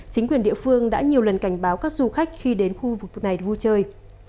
chính quyền địa phương đã nhiều lần cảnh báo các du khách khi đến khu vực này vui chơi